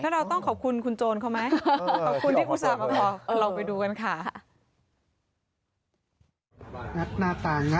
แล้วเราต้องขอบคุณคุณโจรเขาไหม